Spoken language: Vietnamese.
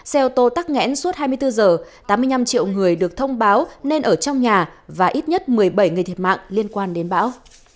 xe ô tô tắc nghẽn suốt hai mươi bốn giờ tám mươi năm triệu người được thông báo nên ở trong nhà và ít nhất một mươi bảy người thiệt mạng liên quan đến bão